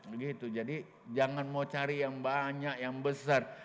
begitu jadi jangan mau cari yang banyak yang besar